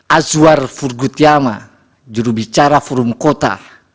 azwar furgutyama jurubicara forum kota